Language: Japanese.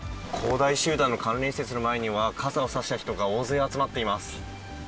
大集団の関連施設の前には、傘を差した人が大勢集まっています。